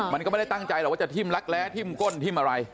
มันก็ไม่ได้ตั้งใจหรอกว่าจะทิ้มลักแร้ทิ้มก้นทิ้มอะไร